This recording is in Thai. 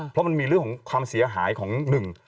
เพราะมันมีเรื่องของความเสียหายของหนึ่ง